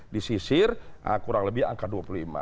disisir kurang lebih angka dua puluh lima